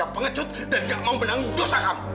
saya pengecut dan gak mau bilang dosa kamu